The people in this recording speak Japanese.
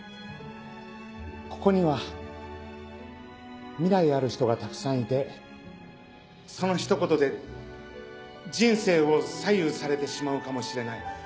ここには未来ある人がたくさんいてそのひと言で人生を左右されてしまうかもしれない。